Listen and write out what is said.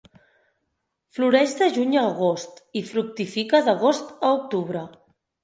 Floreix de juny a agost i fructifica d'agost a octubre.